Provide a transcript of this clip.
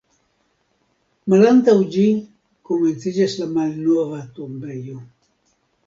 Malantaŭ ĝi komenciĝas la Malnova tombejo.